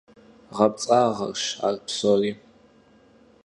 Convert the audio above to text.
ГъэпцӀагъэщ ар псори.